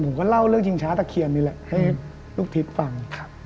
ผมก็เล่าเรื่องชิงช้าตะเคียนนี่แหละให้ลูกทิพย์ฟัง